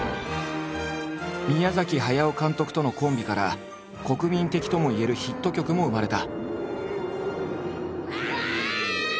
宮駿監督とのコンビから国民的ともいえるヒット曲も生まれた。